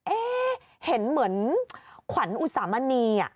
เอ๊ะเห็นเหมือนขวัญอุสามณี